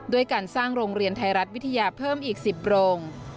ด้วยการสร้างโรงเรียนไทยรัฐวิทยาเพิ่มอีก๑๐โรง